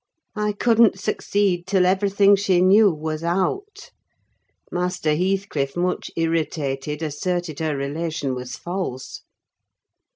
I couldn't succeed till everything she knew was out. Master Heathcliff, much irritated, asserted her relation was false.